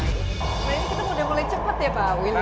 nah ini kita sudah mulai cepat ya pak willy